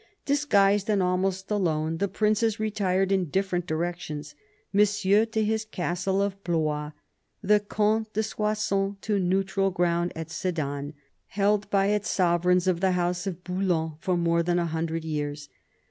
Disguised and almost alone, the princes retired in different directions : Monsieur to his castle of Blois, the Comte de Soissons to neutral ground at Sedan, held by its sovereigns of the House of Bouillon for more than a hundred years.